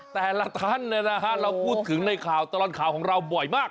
แต่ละท่านเราพูดถึงในข่าวตลอดข่าวของเราบ่อยมาก